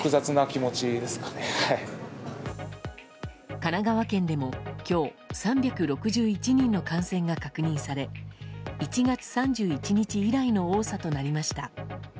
神奈川県でも今日３６１人の感染が確認され１月３１日以来の多さとなりました。